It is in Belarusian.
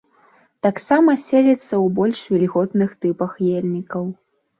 Таксама селіцца ў больш вільготных тыпах ельнікаў.